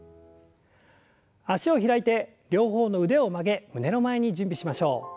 脚を開いて両方の腕を曲げ胸の前に準備しましょう。